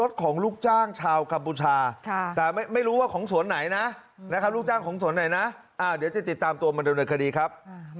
ด้อนเราก็ไม่ทันระวังครับ